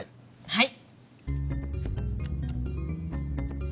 はい！